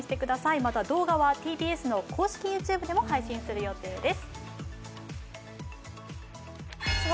また動画はＴＢＳの公式ＹｏｕＴｕｂｅでも配信する予定です。